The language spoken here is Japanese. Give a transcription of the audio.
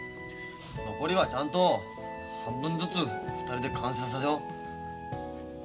残りはちゃんと半分ずつ２人で完成させよう。